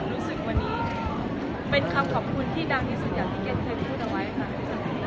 รู้สึกวันนี้เป็นคำขอบคุณที่ดังที่สุดอย่างที่เก้นเคยพูดเอาไว้ค่ะ